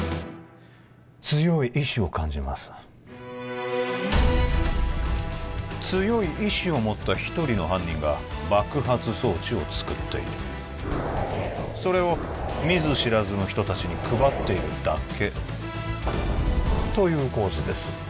強い意志を感じます強い意志を持った一人の犯人が爆発装置を作っているそれを見ず知らずの人達に配っているだけという構図です